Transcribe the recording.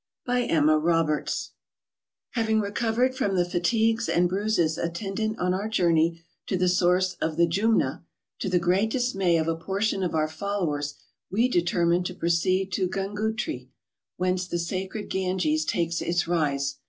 BY EMMA KOBERTS. Having recovered from the fatigues and bruises attendant on our journey to the source of the Jumna, to the great dismay of a portion of our followers, we determined to proceed to Oungootree, whence the sacred Granges takes its rise.